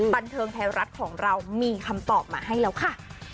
บันเทิงไทยรัฐของเรามีคำตอบมาให้แล้วค่ะ